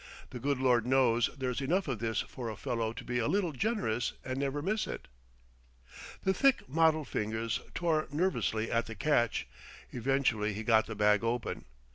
The good Lord knows there's enough of this for a fellow to be a little generous and never miss it!" The thick mottled fingers tore nervously at the catch; eventually he got the bag open.